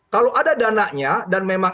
kalau ada dananya dan memang